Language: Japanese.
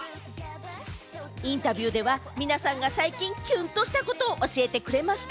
インタビューでは皆さんが最近、キュンとしたことを教えてくれました。